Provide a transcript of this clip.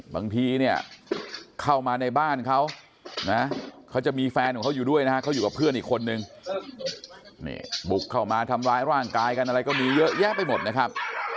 บางทีเนี่ยเข้ามาในบ้านเขานะเขาจะมีแฟนของเขาอยู่ด้วยนะฮะเขาอยู่กับเพื่อนอีกคนนึงนี่บุกเข้ามาทำร้ายร่างกายกันอะไรก็มีเยอะแยะไปหมดนะครับ